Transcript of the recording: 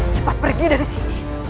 cepat pergi dari sini